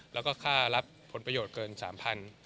แล้วก็ค่ารับผลประโยชน์เกิน๓๐๐บาท